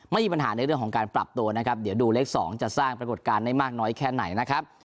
ไม่มีปัญหาในเรื่องของการปรับตัวนะครับเดี๋ยวดูเลข๒จะสร้างปรากฏการณ์ได้มากน้อยแค่ไหนนะครับ